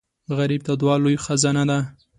غریب ته دعا لوی خزانه ده